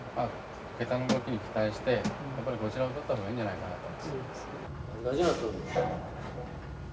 桁の動きに期待してやっぱりこちらをとった方がいいんじゃないかなと。